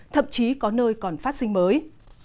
thậm chí có nơi còn phát sinh mới